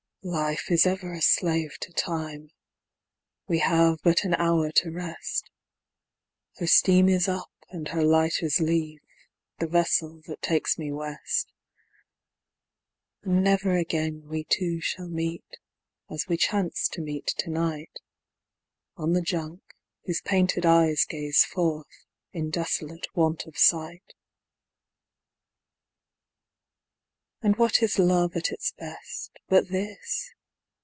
Life is ever a slave to Time; we have but an hour to rest, Her steam is up and her lighters leave, the vessel that takes me west; And never again we two shall meet, as we chance to meet to night, On the Junk, whose painted eyes gaze forth, in desolate want of sight. And what is love at its best, but this?